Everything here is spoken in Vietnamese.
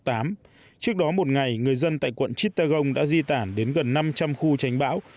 trước đó một ngày người dân tại quận chit tagong đã di tản đến gần năm trăm linh khu tránh bão